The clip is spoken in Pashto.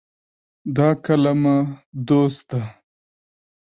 دا کلمه “دوست” ده.